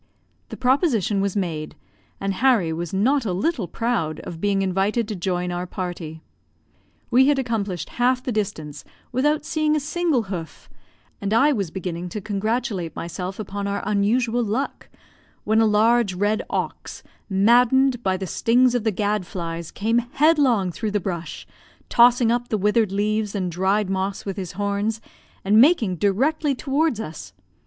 The proposition was made, and Harry was not a little proud of being invited to join our party. We had accomplished half the distance without seeing a single hoof; and I was beginning to congratulate myself upon our unusual luck, when a large red ox, maddened by the stings of the gad flies, came headlong through the brush, tossing up the withered leaves and dried moss with his horns, and making directly towards us.